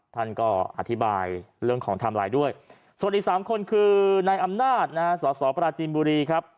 ท่านก็อธิบายเรื่องของไทม์ไลน์ด้วยส่วนอีก๓คนคือนายอำนาจนะฮะสสปราจีนบุรีครับ